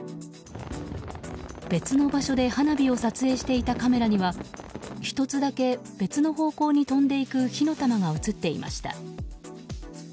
別の場所で花火を撮影していたカメラには１つだけ別の方向に飛んでいく火の玉が映っていました。